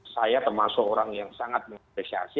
saya termasuk orang yang sangat mengapresiasi